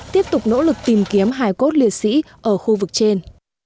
tiếp tục nỗ lực tìm kiếm hải cốt liệt sĩ ở khu vực trên